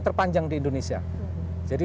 terpanjang di indonesia jadi